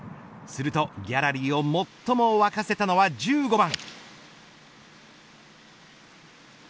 するとギャラリーを最も沸かせたのは１５番。